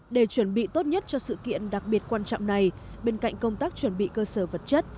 để chuẩn bị tốt nhất cho sự kiện đặc biệt quan trọng này bên cạnh công tác chuẩn bị cơ sở vật chất